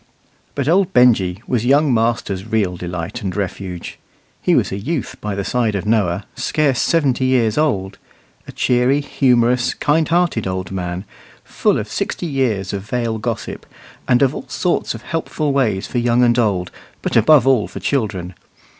But old Benjy was young master's real delight and refuge. He was a youth by the side of Noah, scarce seventy years old a cheery, humorous, kind hearted old man, full of sixty years of Vale gossip, and of all sorts of helpful ways for young and old, but above all for children.